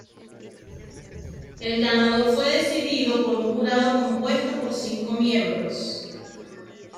El ganador fue decidido por un jurado compuesto por cinco miembros.